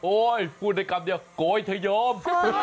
โอ้ยคุณได้กลับเนี่ยโกยเทยม